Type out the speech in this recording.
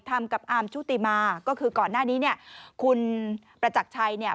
ทำกับอาร์มชุติมาก็คือก่อนหน้านี้เนี่ยคุณประจักรชัยเนี่ย